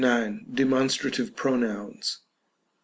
§39. Demonsteative Peonouns.